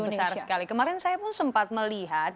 besar sekali kemarin saya pun sempat melihat